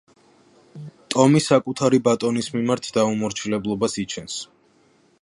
ტომი საკუთარი ბატონის მიმართ დაუმორჩილებლობას იჩენს.